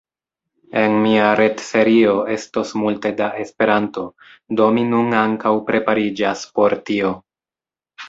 En mia retserio estos multe da Esperanto, do mi nun ankaŭ prepariĝas por tio.